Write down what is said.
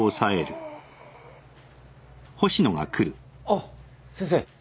あっ先生。